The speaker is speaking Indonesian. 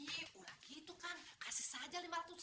ih udah gitu gan kasih saja lima ratus ribu